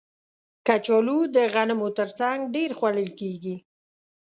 کچالو د غنمو تر څنګ ډېر خوړل کېږي